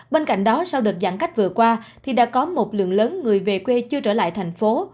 bên cạnh đó sau đợt giãn cách vừa qua thì đã có một lượng lớn người về quê chưa trở lại thành phố